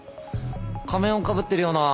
仮面をかぶってるような。